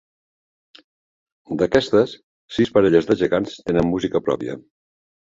D'aquestes, sis parelles de gegants tenen música pròpia.